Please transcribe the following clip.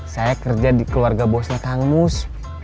saya kerja di keluarga bosnya kang mus